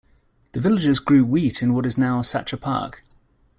The villagers grew wheat in what is now Sacher Park.